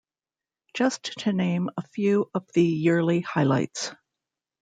Just to name a few of the yearly highlights.